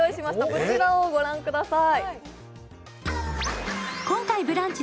こちらをご覧ください。